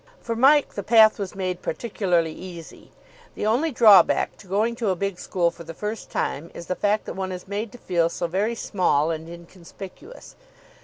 For Mike the path was made particularly easy. The only drawback to going to a big school for the first time is the fact that one is made to feel so very small and inconspicuous.